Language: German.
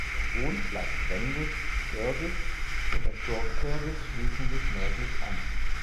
Der Wohnplatz Wendisch Börgitz und das Dorf Börgitz schließen sich nördlich an.